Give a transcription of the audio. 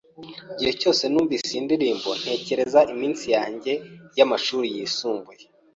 Igihe cyose numvise iyo ndirimbo, ntekereza iminsi yanjye y'amashuri yisumbuye.